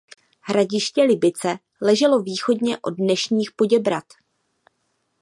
Hradiště Libice leželo východně od dnešních Poděbrad.